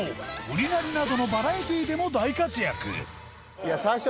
『ウリナリ！！』などのバラエティでも大活躍